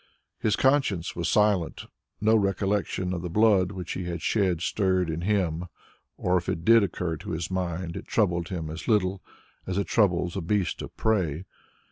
His conscience was silent; no recollection of the blood which he had shed stirred in him, or if it did occur to his mind, it troubled him as little as it troubles a beast of prey.